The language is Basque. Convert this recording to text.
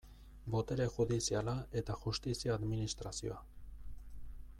Botere judiziala eta justizia administrazioa.